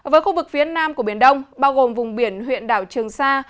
với khu vực phía nam của biển đông bao gồm vùng biển huyện đảo trường sa